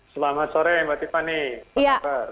selamat sore mbak tiffany